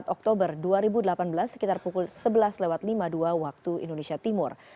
empat oktober dua ribu delapan belas sekitar pukul sebelas lima puluh dua waktu indonesia timur